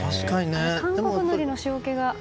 韓国のりの塩気が。